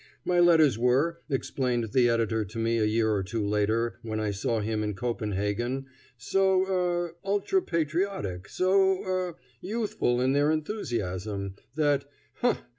My letters were, explained the editor to me a year or two later when I saw him in Copenhagen, so er r ultra patriotic, so er r youthful in their enthusiasm, that huh!